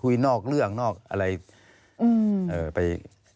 คุยนอกเรื่องนอกอะไร